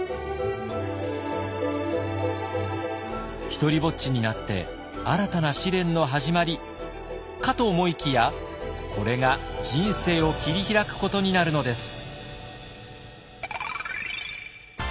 独りぼっちになって新たな試練の始まりかと思いきやこれが人生を切り開くことになるのです。